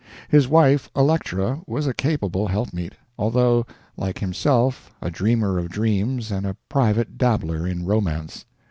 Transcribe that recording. His wife, Electra, was a capable helpmeet, although like himself a dreamer of dreams and a private dabbler in romance.